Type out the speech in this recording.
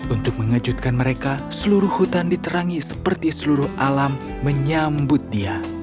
untuk mengejutkan mereka seluruh hutan diterangi seperti seluruh alam menyambut dia